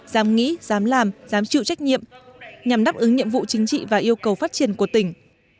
dám nghĩ dám làm dám chịu trách nhiệm nhằm đáp ứng nhiệm vụ chính trị và yêu cầu phát triển của tỉnh